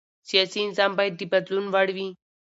سیاسي نظام باید د بدلون وړ وي